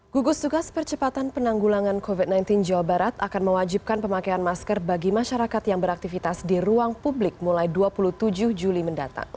gugus tugas percepatan penanggulangan covid sembilan belas jawa barat akan mewajibkan pemakaian masker bagi masyarakat yang beraktivitas di ruang publik mulai dua puluh tujuh juli mendatang